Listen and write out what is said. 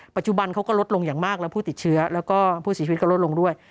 เขาก็ลดลงอย่างมากแล้วผู้ติดเชื้อแล้วก็ผู้เสียชีวิตก็ลดลงด้วย